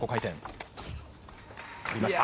取りました。